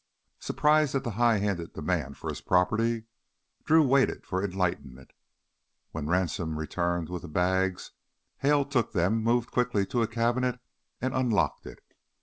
Surprised at this highhanded demand for his property, Drew waited for enlightenment. When Ransome returned with the bags, Hale took them, moved quickly to a cabinet, and unlocked it.